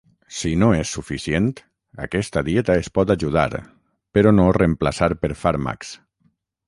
Si no és suficient, aquesta dieta es pot ajudar, però no reemplaçar per fàrmacs.